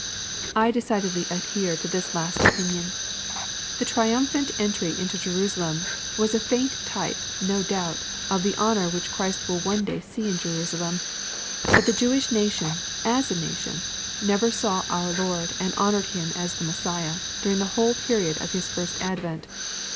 I decidedly adhere to this last opinion. The triumphant entry into Jerusalem was a faint type, no doubt, of the honor which Christ will one day see in Jerusalem. But the Jewish nation, as a nation, never saw our Lord and honored him as the Messiah, dur irg the whole period of His first advent.